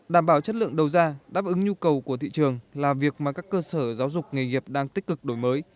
đảm bảo chất lượng đầu ra đáp ứng nhu cầu của thị trường là việc mà các cơ sở giáo dục nghề nghiệp đang tích cực đổi mới